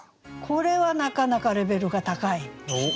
これはなかなかレベルが高い。